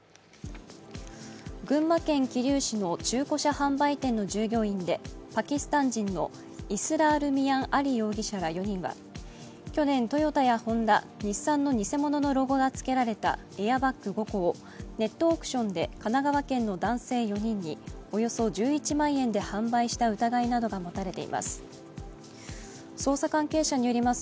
群馬県桐生市の中古車販売店の従業員でパキスタン人のイスラール・ミアン・アリ容疑者ら４人は去年、トヨタやホンダ、日産の偽物のロゴが付けられたエアバッグ５個をネットオークションで神奈川県の男性４人におよそ１１万円で販売した疑いなどが持たれています。